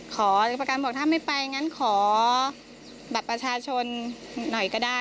ขอประกันบอกถ้าไม่ไปงั้นขอบัตรประชาชนหน่อยก็ได้